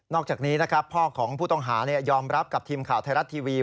อกจากนี้นะครับพ่อของผู้ต้องหายอมรับกับทีมข่าวไทยรัฐทีวี